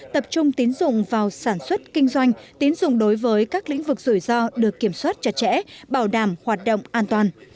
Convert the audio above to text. tập trung tín dụng vào sản xuất kinh doanh tín dụng đối với các lĩnh vực rủi ro được kiểm soát chặt chẽ bảo đảm hoạt động an toàn